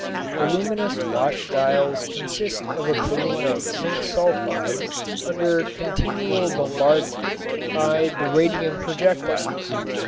The luminous watch dials consist of a coating of zinc sulfide under continual bombardment by the radium projectiles.